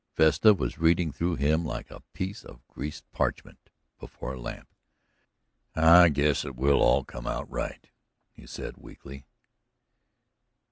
Vesta was reading through him like a piece of greased parchment before a lamp. "I guess it will all come out right," he said weakly.